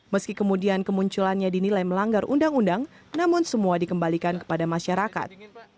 meski kemudian kemunculannya dinilai melanggar undang undang namun semua dikembalikan kepada masyarakat